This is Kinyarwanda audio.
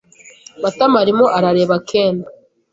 Matama arimo arareba Ken.